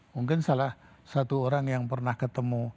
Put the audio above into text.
mungkin salah satu orang yang pernah ketemu